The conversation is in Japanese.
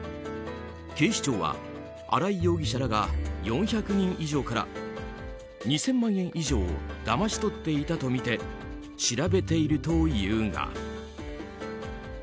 警視庁はアライ容疑者らが４００人以上から２０００万円以上をだまし取っていたとみて調べているというが。